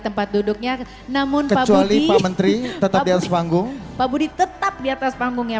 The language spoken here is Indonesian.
tempat duduknya namun pak budi tetap di panggung pak budi tetap di atas panggungnya